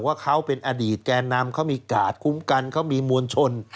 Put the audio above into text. ว่าเขาเป็นอดีตแก่นำเขามีกาดคุ้มกันเขามีมวลชน